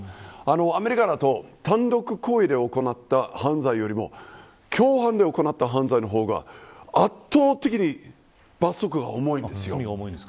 アメリカだと単独行為で行った犯罪よりも共犯で行った犯罪の方が圧倒的に罰則が重いんです。